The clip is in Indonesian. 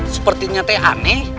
sepertinya teh aneh